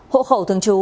hộ khẩu thường trú